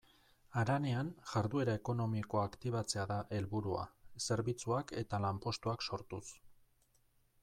Haranean jarduera ekonomikoa aktibatzea da helburua, zerbitzuak eta lanpostuak sortuz.